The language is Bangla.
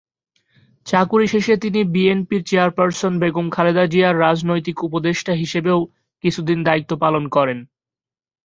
চাকুরী শেষে তিনি বিএনপির চেয়ার পার্সন বেগম খালেদা জিয়ার রাজনৈতিক উপদেষ্টা হিসেবেও কিছুদিন দায়িত্ব পালন করেন।